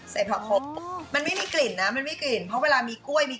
ใส่ผักผลอืมมันไม่มีกลิ่นนะมันไม่มีกลิ่นเพราะเวลามีก๋วยมี